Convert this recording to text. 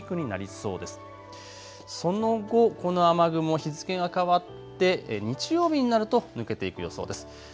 その後、この雨雲、日付が変わって日曜日になると抜けていく予想です。